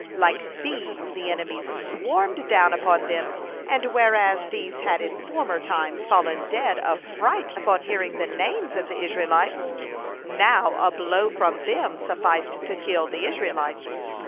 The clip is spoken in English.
Like bees the enemies swarmed down upon them, and whereas these had in former times fallen dead of fright upon hearing the names of the Israelites, now a blow from them sufficed to kill the Israelites.